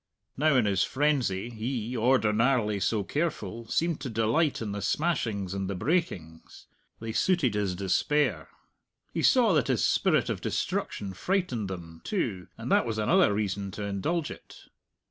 Now in his frenzy, he, ordinarily so careful, seemed to delight in the smashings and the breakings; they suited his despair. He saw that his spirit of destruction frightened them, too, and that was another reason to indulge it.